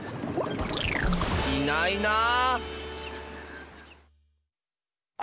いないなあ。